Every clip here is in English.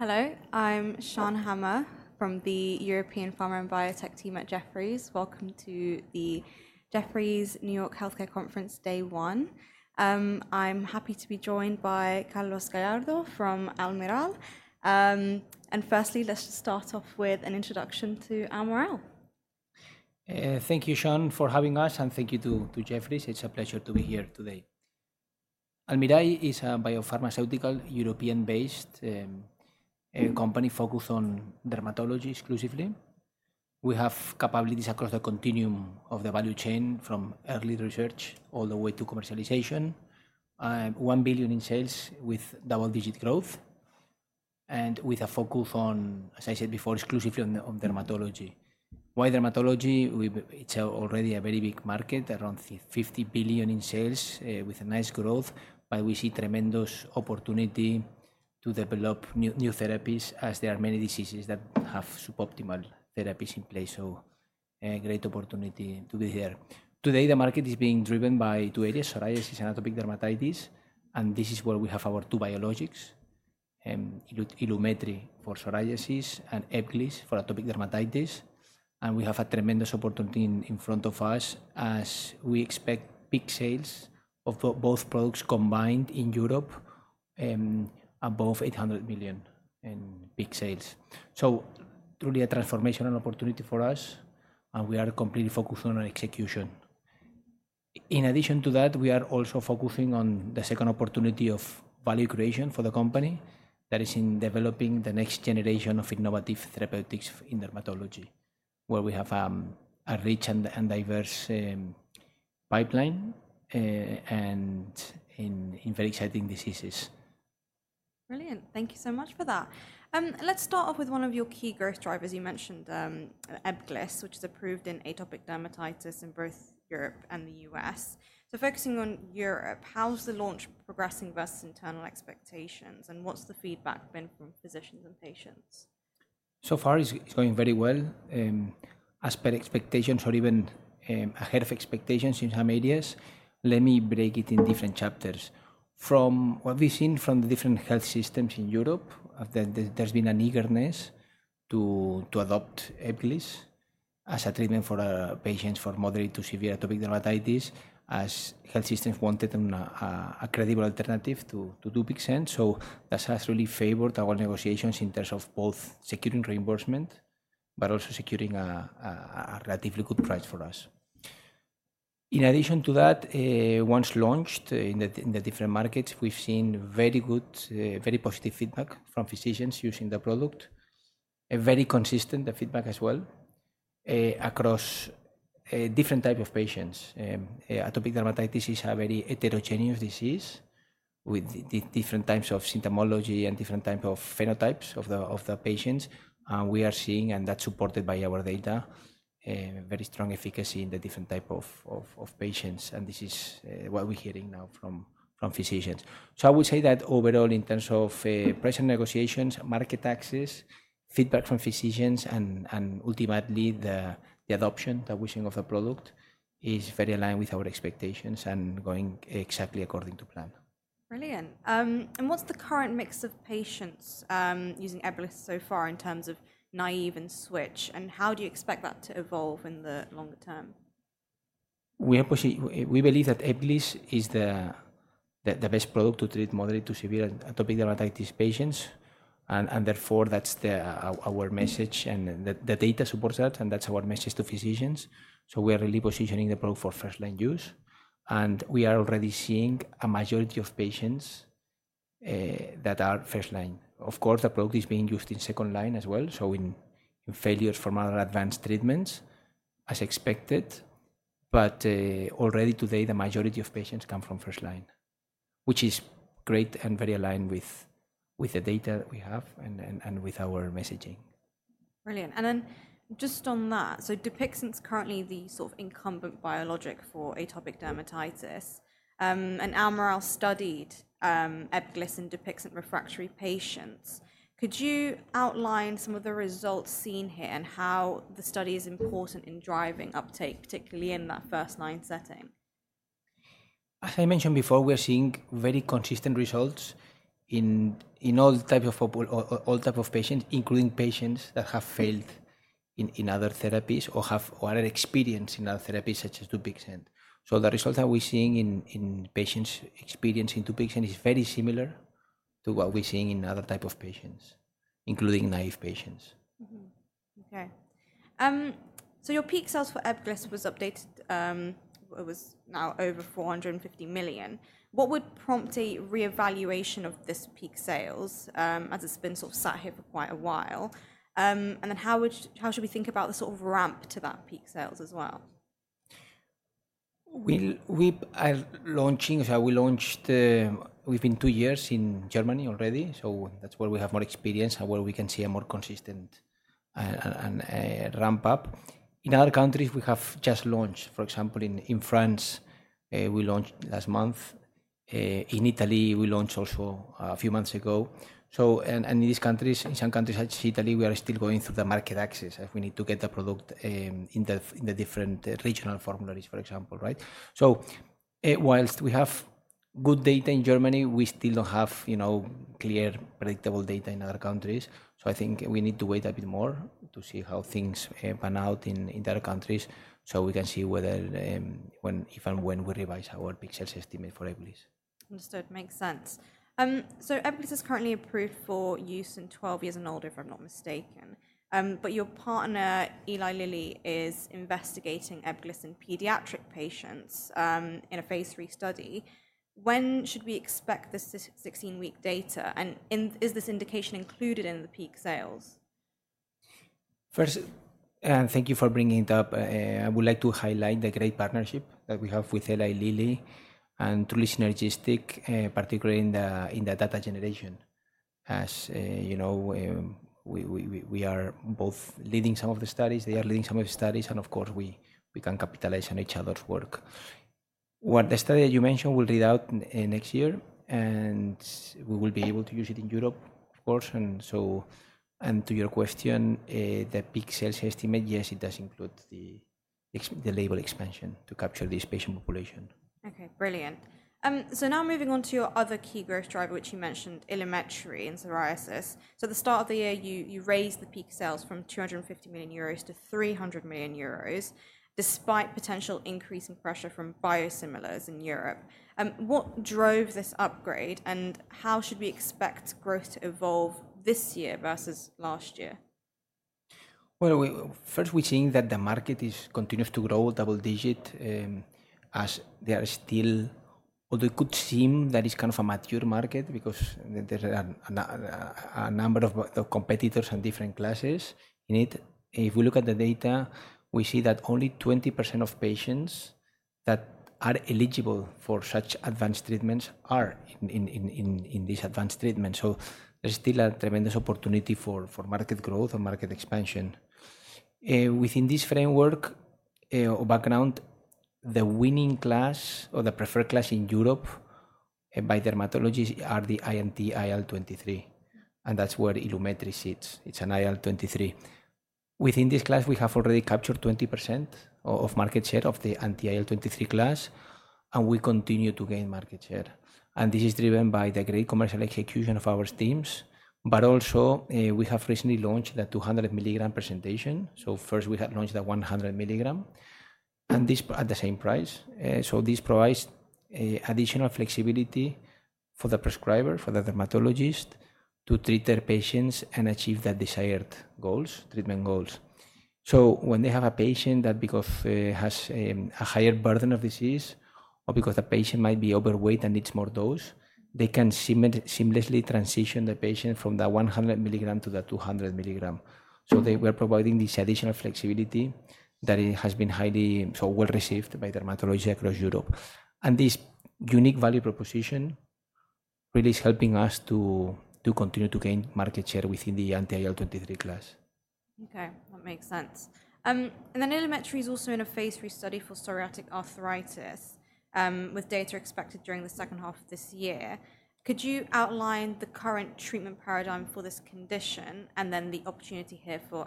Hello, I'm Shan Hama from the European Pharma and Biotech team at Jefferies. Welcome to the Jefferies New York Healthcare Conference, Day One. I'm happy to be joined by Carlos Gallardo from Almirall. Firstly, let's just start off with an introduction to Almirall. Thank you, Shan, for having us, and thank you to Jefferies. It's a pleasure to be here today. Almirall is a biopharmaceutical, European-based company focused on dermatology exclusively. We have capabilities across the continuum of the value chain, from early research all the way to commercialization, 1 billion in sales with double-digit growth, and with a focus on, as I said before, exclusively on dermatology. Why dermatology? It's already a very big market, around 50 billion in sales, with a nice growth. We see tremendous opportunity to develop new therapies, as there are many diseases that have suboptimal therapies in place. Great opportunity to be here. Today, the market is being driven by two areas: psoriasis and atopic dermatitis. This is where we have our two biologics, Ilumetri for psoriasis and Ebglyss for atopic dermatitis. We have a tremendous opportunity in front of us, as we expect peak sales of both products combined in Europe above 800 million in peak sales. Truly a transformational opportunity for us, and we are completely focused on execution. In addition to that, we are also focusing on the second opportunity of value creation for the company. That is in developing the next generation of innovative therapeutics in dermatology, where we have a rich and diverse pipeline and in very exciting diseases. Brilliant. Thank you so much for that. Let's start off with one of your key growth drivers. You mentioned Ebglyss, which is approved in atopic dermatitis in both Europe and the U.S.. Focusing on Europe, how's the launch progressing versus internal expectations? What's the feedback been from physicians and patients? So far, it's going very well. As per expectations, or even ahead of expectations in some areas, let me break it in different chapters. From what we've seen from the different health systems in Europe, there's been an eagerness to adopt Ebglyss as a treatment for patients for moderate to severe atopic dermatitis, as health systems wanted a credible alternative to Dupixent. That has really favored our negotiations in terms of both securing reimbursement, but also securing a relatively good price for us. In addition to that, once launched in the different markets, we've seen very good, very positive feedback from physicians using the product. Very consistent feedback as well across different types of patients. Atopic dermatitis is a very heterogeneous disease with different types of symptomology and different types of phenotypes of the patients. We are seeing, and that's supported by our data, very strong efficacy in the different types of patients. This is what we're hearing now from physicians. I would say that overall, in terms of price and negotiations, market access, feedback from physicians, and ultimately the adoption, the usage of the product is very aligned with our expectations and going exactly according to plan. Brilliant. What's the current mix of patients using Ebglyss so far in terms of naive and switch? How do you expect that to evolve in the longer term? We believe that Ebglyss is the best product to treat moderate to severe atopic dermatitis patients. Therefore, that's our message, and the data supports that, and that's our message to physicians. We are really positioning the product for first-line use. We are already seeing a majority of patients that are first-line. Of course, the product is being used in second-line as well, in failures from other advanced treatments, as expected. Already today, the majority of patients come from first-line, which is great and very aligned with the data we have and with our messaging. Brilliant. Just on that, Dupixent's currently the sort of incumbent biologic for atopic dermatitis. Almirall studied Ebglyss in Dupixent refractory patients. Could you outline some of the results seen here and how the study is important in driving uptake, particularly in that first-line setting? As I mentioned before, we are seeing very consistent results in all types of patients, including patients that have failed in other therapies or have other experience in other therapies, such as Dupixent. The results that we're seeing in patients' experience in Dupixent is very similar to what we're seeing in other types of patients, including naive patients. Okay. Your peak sales for Ebglyss was updated. It was now over 450 million. What would prompt a reevaluation of this peak sales, as it's been sort of sat here for quite a while? How should we think about the sort of ramp to that peak sales as well? We are launching, so we launched within two years in Germany already. That is where we have more experience and where we can see a more consistent ramp-up. In other countries, we have just launched. For example, in France, we launched last month. In Italy, we launched also a few months ago. In these countries, in some countries such as Italy, we are still going through the market access as we need to get the product in the different regional formularies, for example, right? Whilst we have good data in Germany, we still do not have clear, predictable data in other countries. I think we need to wait a bit more to see how things pan out in other countries, so we can see whether, when, if and when we revise our peak sales estimate for Ebglyss. Understood. Makes sense. So, Ebglyss is currently approved for use in 12 years and older, if I'm not mistaken. But your partner, Eli Lilly, is investigating Ebglyss in pediatric patients in a phase three study. When should we expect the 16-week data? And is this indication included in the peak sales? First, thank you for bringing it up. I would like to highlight the great partnership that we have with Eli Lilly and truly synergistic, particularly in the data generation. As you know, we are both leading some of the studies. They are leading some of the studies, and of course, we can capitalize on each other's work. The study that you mentioned will read out next year, and we will be able to use it in Europe, of course. To your question, the peak sales estimate, yes, it does include the label expansion to capture this patient population. Okay, brilliant. Now moving on to your other key growth driver, which you mentioned, Ilumetri in psoriasis. At the start of the year, you raised the peak sales from 250 million euros to 300 million euros, despite potential increasing pressure from biosimilars in Europe. What drove this upgrade, and how should we expect growth to evolve this year versus last year? First, we're seeing that the market continues to grow double-digit, as there are still, although it could seem that it's kind of a mature market because there are a number of competitors and different classes in it. If we look at the data, we see that only 20% of patients that are eligible for such advanced treatments are in these advanced treatments. There's still a tremendous opportunity for market growth and market expansion. Within this framework or background, the winning class or the preferred class in Europe by dermatologists are the anti-IL-23. That's where Ilumetri sits. It's an IL-23. Within this class, we have already captured 20% of market share of the anti-IL-23 class, and we continue to gain market share. This is driven by the great commercial execution of our teams. Also, we have recently launched the 200 mg presentation. First, we had launched the 100 mg, and this at the same price. This provides additional flexibility for the prescriber, for the dermatologist, to treat their patients and achieve their desired goals, treatment goals. When they have a patient that, because has a higher burden of disease, or because the patient might be overweight and needs more dose, they can seamlessly transition the patient from the 100 mg to the 200 mg. They were providing this additional flexibility that has been highly well received by dermatologists across Europe. This unique value proposition really is helping us to continue to gain market share within the anti-IL-23 class. Okay, that makes sense. Illumetri is also in a phase three study for psoriatic arthritis, with data expected during the second half of this year. Could you outline the current treatment paradigm for this condition and then the opportunity here for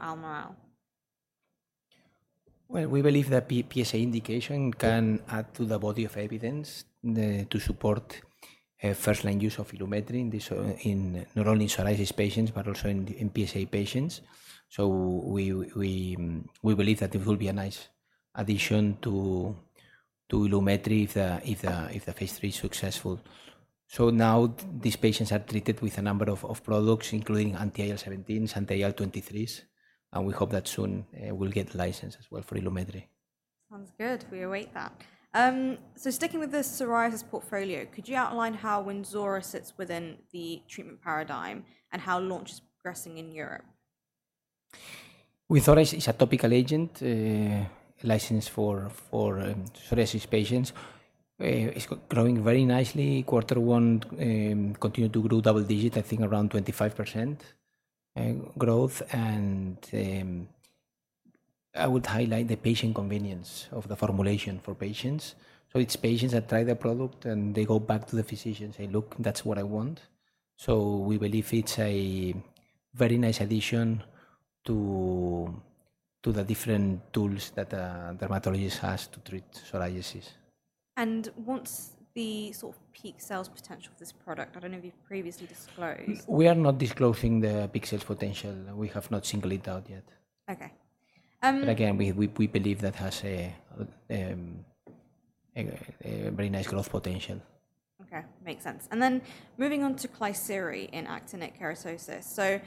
Almirall? We believe that PSA indication can add to the body of evidence to support first-line use of Ilumetri, not only in psoriasis patients, but also in PSA patients. We believe that it will be a nice addition to Ilumetri if the phase three is successful. Now these patients are treated with a number of products, including anti-IL-17s, anti-IL-23s, and we hope that soon we'll get license as well for Ilumetri. Sounds good. We await that. Sticking with the psoriasis portfolio, could you outline how Wynzora sits within the treatment paradigm and how launch is progressing in Europe? Wynzora is a topical agent licensed for psoriasis patients. It's growing very nicely. Quarter one continued to grow double-digit, I think around 25% growth. I would highlight the patient convenience of the formulation for patients. It's patients that try the product, and they go back to the physician and say, "Look, that's what I want." We believe it's a very nice addition to the different tools that dermatologists have to treat psoriasis. What's the sort of peak sales potential of this product? I don't know if you've previously disclosed. We are not disclosing the Pixel's potential. We have not singled it out yet. Okay. Again, we believe that has a very nice growth potential. Okay, makes sense. Then moving on to Klisyri in actinic keratosis.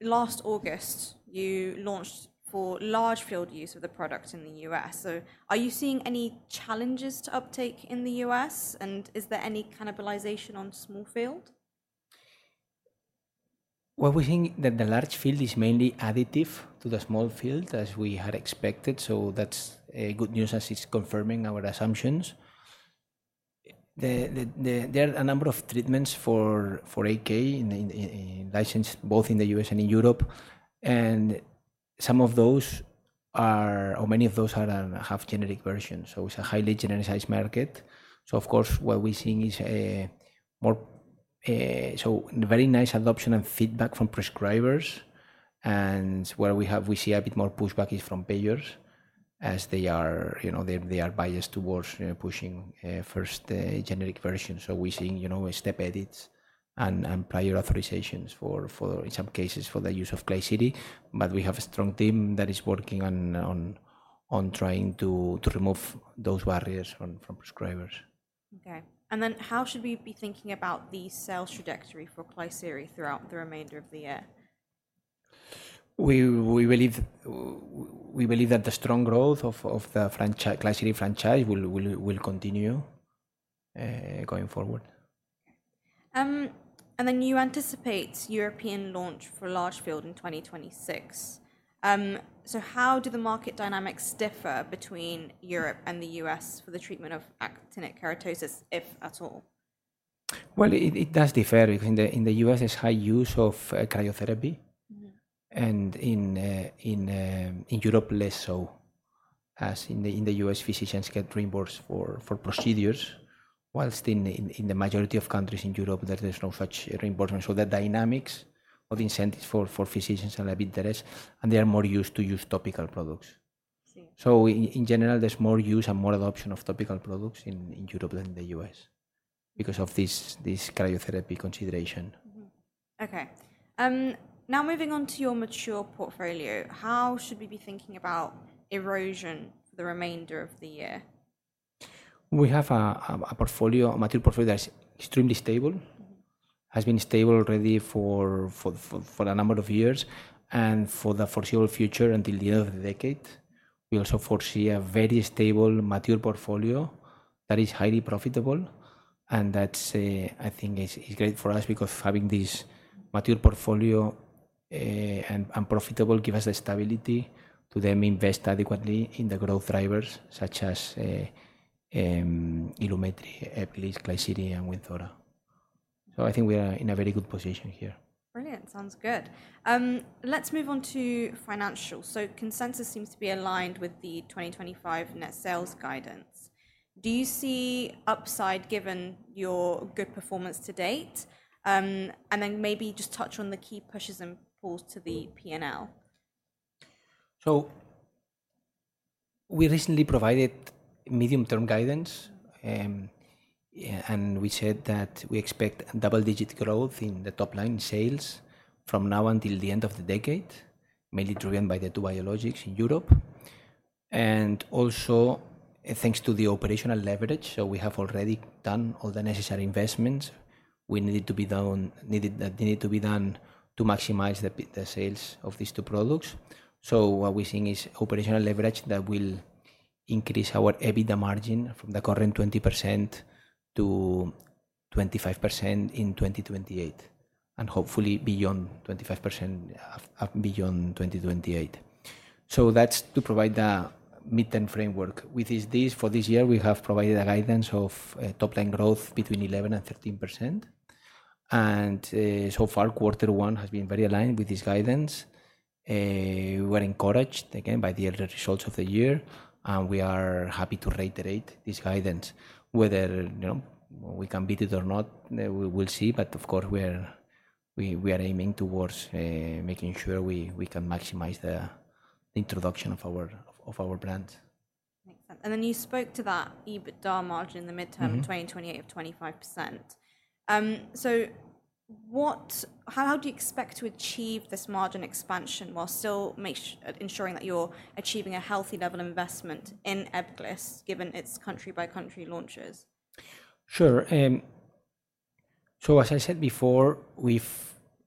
Last August, you launched for large field use of the product in the U.S.. Are you seeing any challenges to uptake in the U.S.? Is there any cannibalization on small field? We think that the large field is mainly additive to the small field, as we had expected. That is good news, as it is confirming our assumptions. There are a number of treatments for actinic keratosis licensed both in the U.S. and in Europe. Some of those, or many of those, have generic versions. It is a highly genericized market. Of course, what we are seeing is more very nice adoption and feedback from prescribers. Where we see a bit more pushback is from payers, as they are biased towards pushing first generic versions. We are seeing step edits and prior authorizations, in some cases, for the use of Klisyri. We have a strong team that is working on trying to remove those barriers from prescribers. Okay. And then how should we be thinking about the sales trajectory for Klisyri throughout the remainder of the year? We believe that the strong growth of the Klisyri franchise will continue going forward. You anticipate European launch for large field in 2026. How do the market dynamics differ between Europe and the US for the treatment of actinic keratosis, if at all? It does differ. In the U.S., there's high use of cryotherapy, and in Europe, less so, as in the U.S., physicians get reimbursed for procedures, whilst in the majority of countries in Europe, there's no such reimbursement. The dynamics of incentives for physicians are a bit less, and they are more used to use topical products. In general, there's more use and more adoption of topical products in Europe than in the U.S. because of this cryotherapy consideration. Okay. Now moving on to your mature portfolio, how should we be thinking about erosion for the remainder of the year? We have a material portfolio that is extremely stable, has been stable already for a number of years, and for the foreseeable future until the end of the decade, we also foresee a very stable mature portfolio that is highly profitable. I think that is great for us because having this mature portfolio and profitable gives us the stability to then invest adequately in the growth drivers, such as Ilumetri, Ebglyss, Klisyri, and Wynzora. I think we are in a very good position here. Brilliant. Sounds good. Let's move on to financials. Consensus seems to be aligned with the 2025 net sales guidance. Do you see upside given your good performance to date? Maybe just touch on the key pushes and pulls to the P&L. We recently provided medium-term guidance, and we said that we expect double-digit growth in the top-line sales from now until the end of the decade, mainly driven by the two biologics in Europe. Also, thanks to the operational leverage, we have already done all the necessary investments we needed to be done to maximize the sales of these two products. What we're seeing is operational leverage that will increase our EBITDA margin from the current 20% to 25% in 2028, and hopefully beyond 25% beyond 2028. That is to provide the mid-term framework. With this, for this year, we have provided a guidance of top-line growth between 11% and 13%. So far, Quarter One has been very aligned with this guidance. We were encouraged, again, by the early results of the year, and we are happy to reiterate this guidance. Whether we can beat it or not, we will see. Of course, we are aiming towards making sure we can maximize the introduction of our brands. Makes sense. You spoke to that EBITDA margin in the mid-term of 2028 of 25%. How do you expect to achieve this margin expansion while still ensuring that you're achieving a healthy level of investment in Ebglyss, given its country-by-country launches? Sure. As I said before,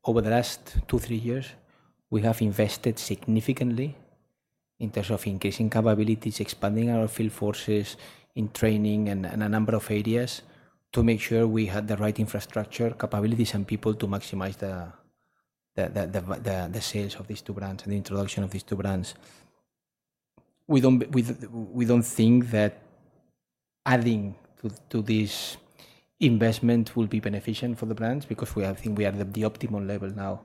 over the last two, three years, we have invested significantly in terms of increasing capabilities, expanding our field forces in training and a number of areas to make sure we had the right infrastructure, capabilities, and people to maximize the sales of these two brands and the introduction of these two brands. We do not think that adding to this investment will be beneficial for the brands because we think we are at the optimal level now.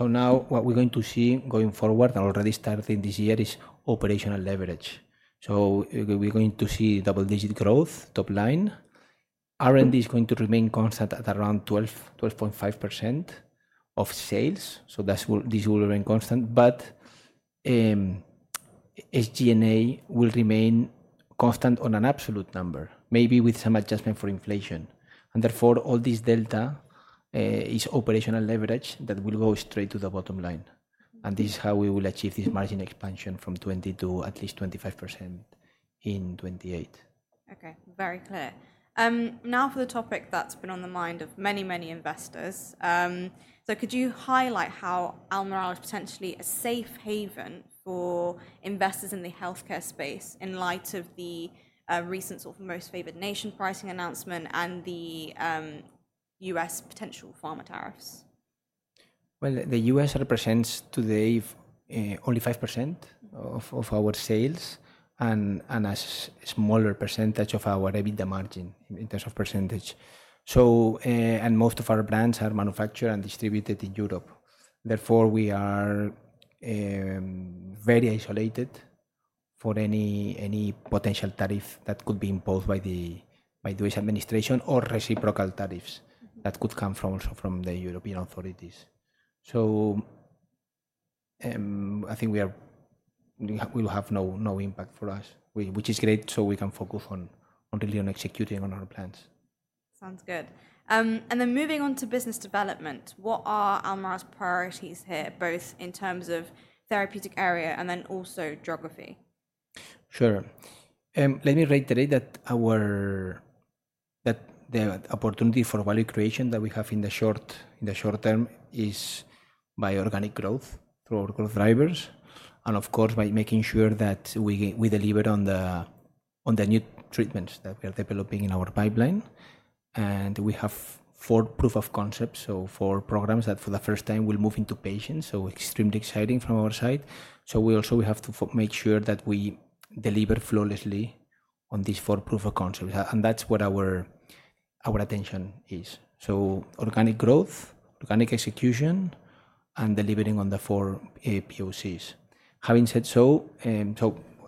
Now, what we are going to see going forward and already starting this year is operational leverage. We are going to see double-digit growth top-line. R&D is going to remain constant at around 12.5% of sales. This will remain constant. SG&A will remain constant on an absolute number, maybe with some adjustment for inflation. Therefore, all this delta is operational leverage that will go straight to the bottom line. This is how we will achieve this margin expansion from 20% to at least 25% in 2028. Okay, very clear. Now for the topic that's been on the mind of many, many investors. Could you highlight how Almirall is potentially a safe haven for investors in the healthcare space in light of the recent sort of most favored nation pricing announcement and the U.S. potential pharma tariffs? The U.S. represents today only 5% of our sales and a smaller percentage of our EBITDA margin in terms of percentage. Most of our brands are manufactured and distributed in Europe. Therefore, we are very isolated for any potential tariff that could be imposed by the U.S. administration or reciprocal tariffs that could come from the European authorities. I think we will have no impact for us, which is great. We can focus on really executing on our plans. Sounds good. Then moving on to business development, what are Almirall's priorities here, both in terms of therapeutic area and then also geography? Sure. Let me reiterate that the opportunity for value creation that we have in the short term is by organic growth through our growth drivers, and of course, by making sure that we deliver on the new treatments that we are developing in our pipeline. We have four proof of concepts, so four programs that for the first time will move into patients. Extremely exciting from our side. We also have to make sure that we deliver flawlessly on these four proof of concepts. That is what our attention is: organic growth, organic execution, and delivering on the four POCs. Having said so,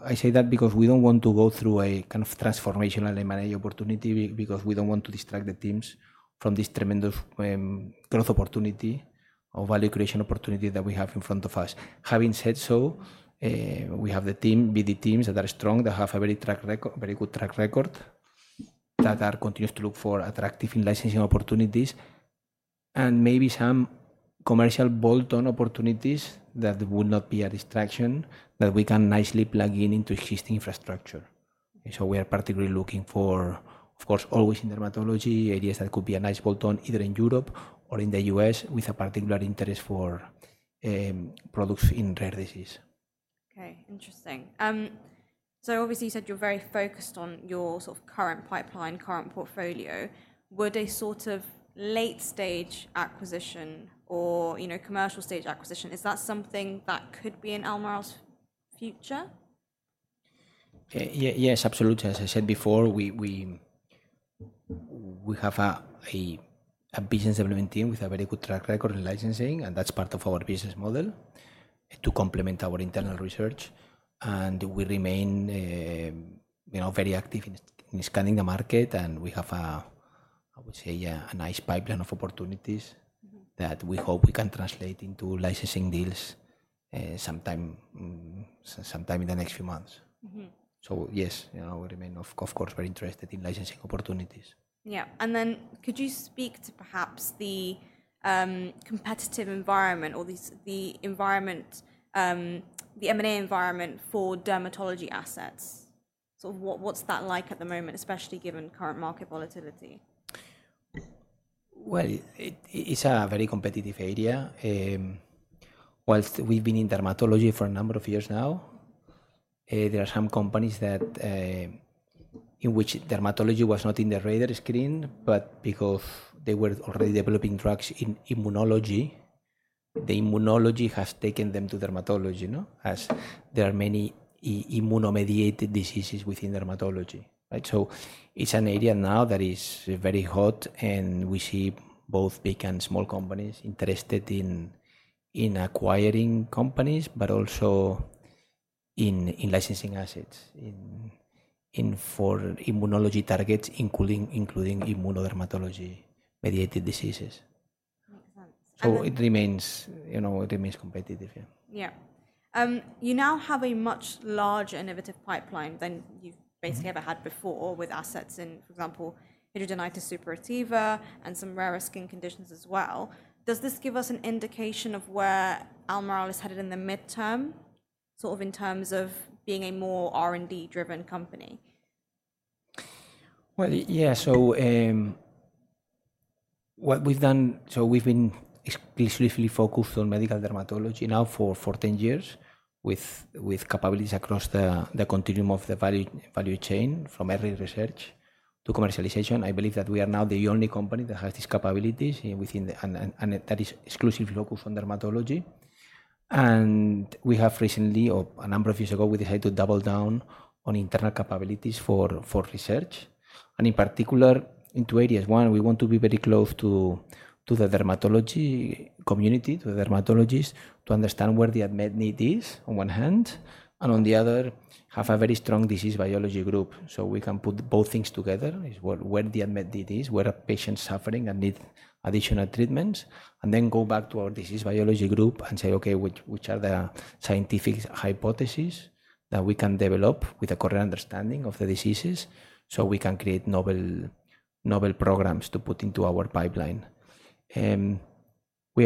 I say that because we do not want to go through a kind of transformational M&A opportunity because we do not want to distract the teams from this tremendous growth opportunity or value creation opportunity that we have in front of us. Having said so, we have the BD teams that are strong, that have a very good track record, that continue to look for attractive licensing opportunities, and maybe some commercial bolt-on opportunities that will not be a distraction that we can nicely plug into existing infrastructure. We are particularly looking for, of course, always in dermatology, areas that could be a nice bolt-on either in Europe or in the U.S. with a particular interest for products in rare disease. Okay, interesting. Obviously, you said you're very focused on your sort of current pipeline, current portfolio. Would a sort of late-stage acquisition or commercial-stage acquisition, is that something that could be in Almirall's future? Yes, absolutely. As I said before, we have a business development team with a very good track record in licensing, and that is part of our business model to complement our internal research. We remain very active in scanning the market, and we have, I would say, a nice pipeline of opportunities that we hope we can translate into licensing deals sometime in the next few months. Yes, we remain, of course, very interested in licensing opportunities. Yeah. Could you speak to perhaps the competitive environment or the M&A environment for dermatology assets? Sort of what's that like at the moment, especially given current market volatility? It is a very competitive area. Whilst we have been in dermatology for a number of years now, there are some companies in which dermatology was not on the radar screen, but because they were already developing drugs in immunology, the immunology has taken them to dermatology, as there are many immuno-mediated diseases within dermatology. It is an area now that is very hot, and we see both big and small companies interested in acquiring companies, but also in licensing assets for immunology targets, including immunodermatology-mediated diseases. It remains competitive. Yeah. You now have a much larger innovative pipeline than you've basically ever had before with assets in, for example, hidradenitis suppurativa and some rarer skin conditions as well. Does this give us an indication of where Almirall is headed in the mid-term, sort of in terms of being a more R&D-driven company? Yeah. What we've done, we've been exclusively focused on medical dermatology now for 10 years with capabilities across the continuum of the value chain from early research to commercialization. I believe that we are now the only company that has these capabilities, and that is exclusively focused on dermatology. We have recently, a number of years ago, decided to double down on internal capabilities for research. In particular, into areas. One, we want to be very close to the dermatology community, to the dermatologists, to understand where the unmet need is on one hand, and on the other, have a very strong disease biology group. We can put both things together: where the unmet need is, where patients are suffering and need additional treatments, and then go back to our disease biology group and say, "Okay, which are the scientific hypotheses that we can develop with a correct understanding of the diseases so we can create novel programs to put into our pipeline?" We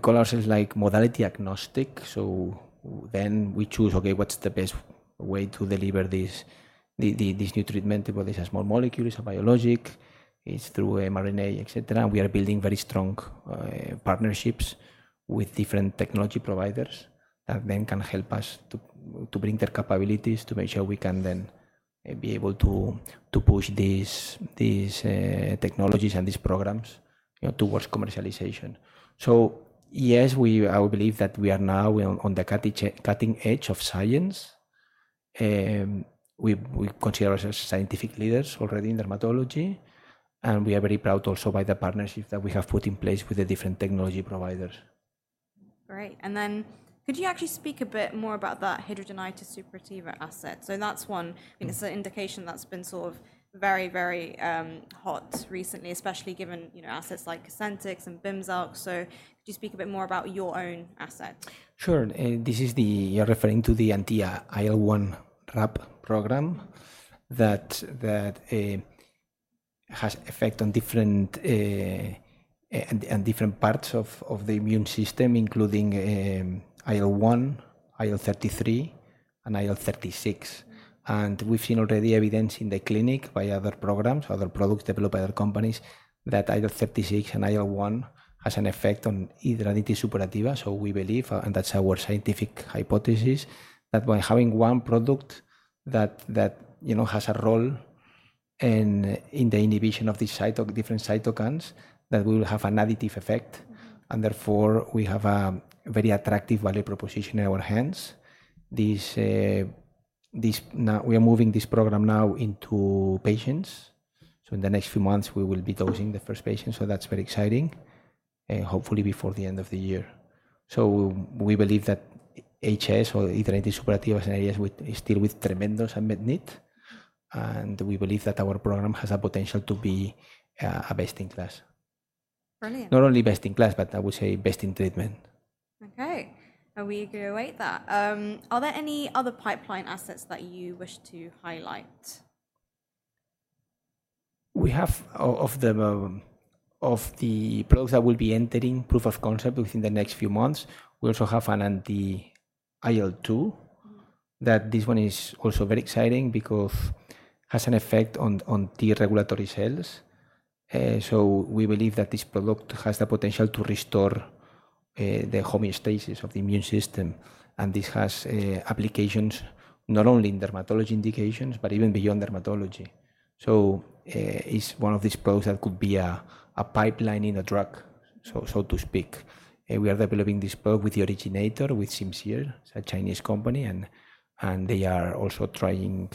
call ourselves modality agnostic. Then we choose, "Okay, what's the best way to deliver this new treatment?" Whether it's a small molecule, it's a biologic, it's through mRNA, etc. We are building very strong partnerships with different technology providers that can help us bring their capabilities to make sure we are able to push these technologies and these programs towards commercialization. Yes, I believe that we are now on the cutting edge of science. We consider ourselves scientific leaders already in dermatology, and we are very proud also by the partnership that we have put in place with the different technology providers. Great. Could you actually speak a bit more about that hidradenitis suppurativa asset? That is one. It is an indication that has been sort of very, very hot recently, especially given assets like Cosentyx and Bimzelx. Could you speak a bit more about your own asset? Sure. This is referring to the Anti-IL-1 RAP program that has effect on different parts of the immune system, including IL-1, IL-33, and IL-36. We've seen already evidence in the clinic by other programs, other products developed by other companies, that IL-36 and IL-1 has an effect on hidradenitis suppurativa. We believe, and that's our scientific hypothesis, that by having one product that has a role in the inhibition of different cytokines, we will have an additive effect. Therefore, we have a very attractive value proposition in our hands. We are moving this program now into patients. In the next few months, we will be dosing the first patients. That's very exciting, hopefully before the end of the year. We believe that HS or hidradenitis suppurativa is an area still with tremendous unmet need, and we believe that our program has a potential to be a best in class. Brilliant. Not only best in class, but I would say best in treatment. Okay. We agree away that. Are there any other pipeline assets that you wish to highlight? Of the products that we'll be entering, proof of concept within the next few months, we also have an anti-IL-2. This one is also very exciting because it has an effect on T regulatory cells. We believe that this product has the potential to restore the homeostasis of the immune system. This has applications not only in dermatology indications, but even beyond dermatology. It is one of these products that could be a pipeline in a drug, so to speak. We are developing this product with the originator, with Simcere, a Chinese company. They are also trying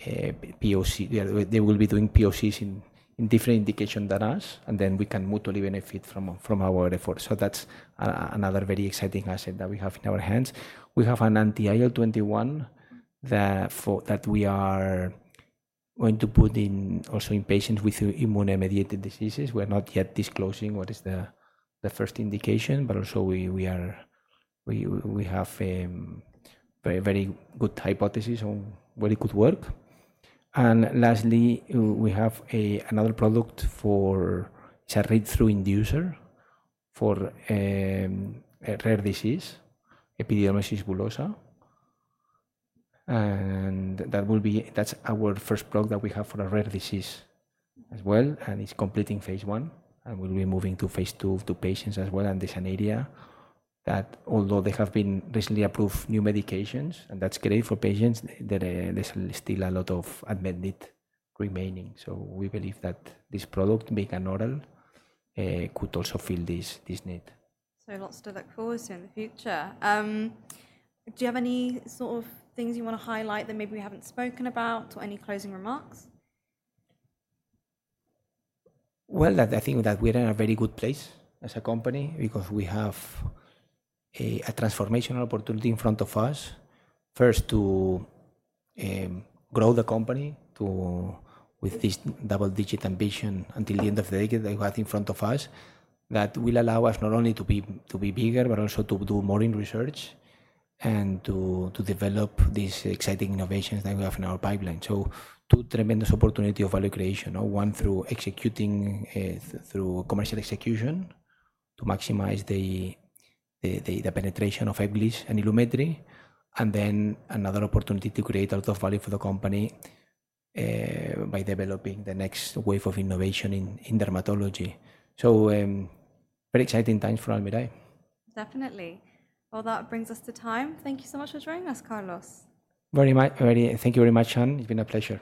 POCs. They will be doing POCs in different indications than us, and then we can mutually benefit from our efforts. That is another very exciting asset that we have in our hands. We have an anti-IL-21 that we are going to put in also in patients with immuno-mediated diseases. We are not yet disclosing what is the first indication, but also we have very good hypotheses on where it could work. Lastly, we have another product for a read-through inducer for a rare disease, epidermolysis bullosa. That is our first product that we have for a rare disease as well, and it is completing phase one. We will be moving to phase two to patients as well. There is an area that, although there have been recently approved new medications, and that is great for patients, there is still a lot of unmet need remaining. We believe that this product, being an oral, could also fill this need. Lots to look forward to in the future. Do you have any sort of things you want to highlight that maybe we haven't spoken about or any closing remarks? I think that we're in a very good place as a company because we have a transformational opportunity in front of us. First, to grow the company with this double-digit ambition until the end of the decade that we have in front of us, that will allow us not only to be bigger, but also to do more in research and to develop these exciting innovations that we have in our pipeline. Two tremendous opportunities of value creation, one through executing through commercial execution to maximize the penetration of Ebglyss and Ilumetri, and then another opportunity to create a lot of value for the company by developing the next wave of innovation in dermatology. Very exciting times for Almirall. Definitely. That brings us to time. Thank you so much for joining us, Carlos. Thank you very much, Shan. It's been a pleasure.